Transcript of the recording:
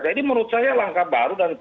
jadi menurut saya langkah baru dan